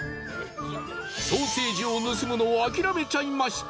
ソーセージを盗むのを諦めちゃいました。